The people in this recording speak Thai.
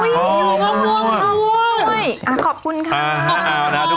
ยังมีชาวมวงค่ะว้ว